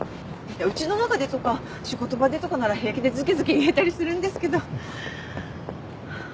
うちの中でとか仕事場でとかなら平気でずけずけ言えたりするんですけど。